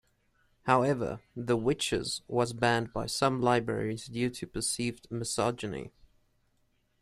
However, "The Witches" was banned by some libraries due to perceived misogyny.